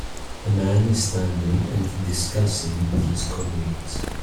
A man is standing and discussing with his colleagues